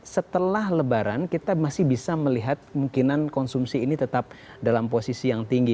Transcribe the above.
setelah lebaran kita masih bisa melihat kemungkinan konsumsi ini tetap dalam posisi yang tinggi